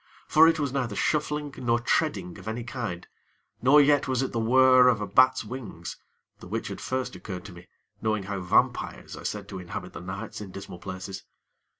For it was neither shuffling, nor treading of any kind, nor yet was it the whirr of a bat's wings, the which had first occurred to me, knowing how vampires are said to inhabit the nights in dismal places.